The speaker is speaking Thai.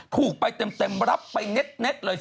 ถูกไปเต็มรับไปเน็ตเลย